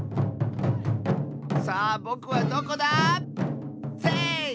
さあぼくはどこだ⁉せい！